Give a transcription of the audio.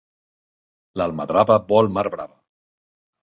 L'almadrava vol mar brava.